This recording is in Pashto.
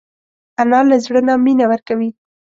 انا له زړه نه مینه ورکوي